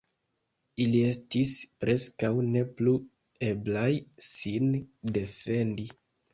Ili estis preskaŭ ne plu eblaj sin defendi.